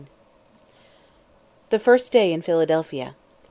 THE FIRST DAY IN PHILADELPHIA.